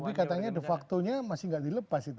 tapi katanya de facto nya masih gak dilepas itu